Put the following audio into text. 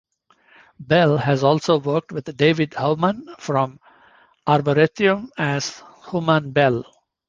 Bell has also worked with David Heumann from Arboureteum as Human Bell.